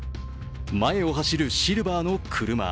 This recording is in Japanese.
前を走るシルバーの車。